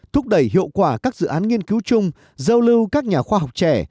thúc đẩy hiệu quả các dự án nghiên cứu chung giao lưu các nhà khoa học trẻ